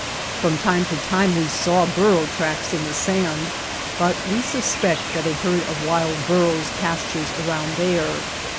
From time to time we saw burro tracks in the sand, but we suspect that a herd of wild burros pastures around there.